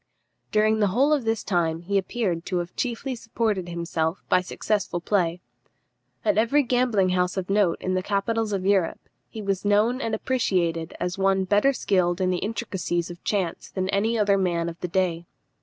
During the whole of this time he appears to have chiefly supported himself by successful play. At every gambling house of note in the capitals of Europe he was known and appreciated as one better skilled in the intricacies of chance than any other man of the day.